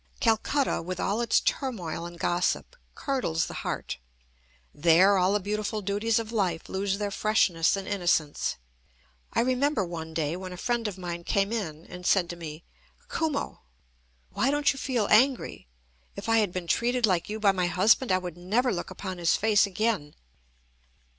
Calcutta, with all its turmoil and gossip, curdles the heart. There, all the beautiful duties of life lose their freshness and innocence. I remember one day, when a friend of mine came in, and said to me: "Kumo, why don't you feel angry? If I had been treated like you by my husband, I would never look upon his face again."